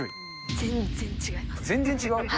全然違う？